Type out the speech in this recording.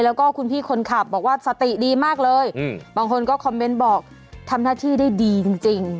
แล้วก็คุณพี่คนขับบอกว่าสติดีมากเลยบางคนก็คอมเมนต์บอกทำหน้าที่ได้ดีจริง